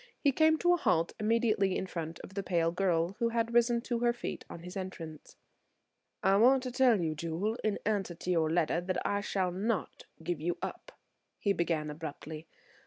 He came to a halt immediately in front of the pale girl, who had risen to her feet on his entrance. "I want to tell you, Jewel, in answer to your letter, that I shall not give you up," he began abruptly.